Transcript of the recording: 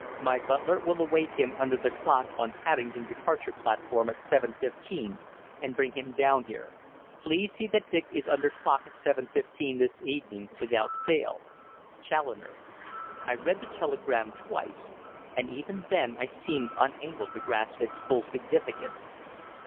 My butler will await him under the clock on Paddington departure platform at 7:15, and bring him down here. Please see that Dick is under clock at 7:15 this evening without fail. CHALLONER." I read the telegram twice, and even then I seemed unable to grasp its full significance.